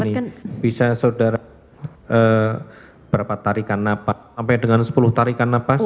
ya artinya begini bisa saudara berapa tarikan napas sampai dengan sepuluh tarikan napas